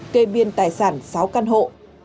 kê biên tài sản sáu căn hộ